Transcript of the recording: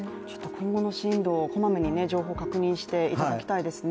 今後の進路、こまめに情報を確認していただきたいですね。